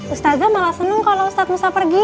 ustadzah malah seneng kalau ustadz musa pergi